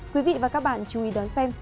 quý vị và các bạn chú ý đón xem